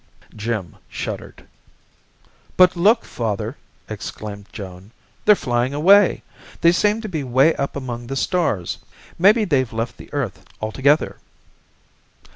Jim shuddered. "But look, father!" exclaimed Joan. "They're flying away! They seem to be way up among the stars. Maybe they've left the earth altogether."